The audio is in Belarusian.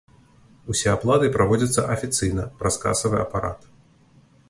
Усе аплаты праводзяцца афіцыйна, праз касавы апарат.